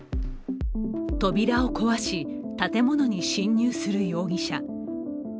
扉を壊し、建物に侵入する容疑者。